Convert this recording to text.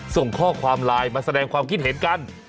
ส่งข้อความไลน์มาแสดงความคิดเห็นกัน